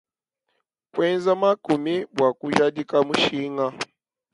Kuenza makumi bua kujadika mushinga.